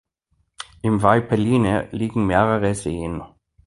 Im Valpelline liegen mehrere Seen.